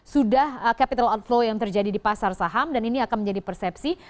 sudah capital outflow yang terjadi di pasar saham dan ini akan menjadi persepsi